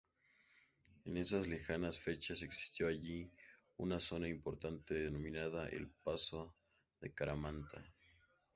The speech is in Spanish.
En esas lejanas fechas existió allí una zona importante denominada ""El Paso de Caramanta"".